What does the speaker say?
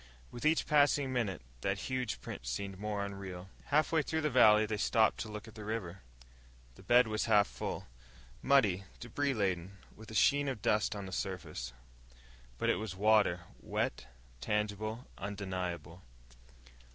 With each passing minute, that huge print seemed more unreal. Halfway through the valley they stopped to look at the river. The bed was half full muddy, debris laden, with a sheen of dust on the surface. But it was water wet, tangible, undeniable.